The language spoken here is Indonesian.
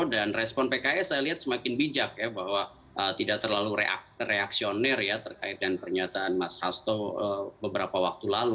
dan respon pks saya lihat semakin bijak ya bahwa tidak terlalu reaksioner ya terkait dengan pernyataan mas hasto beberapa waktu lalu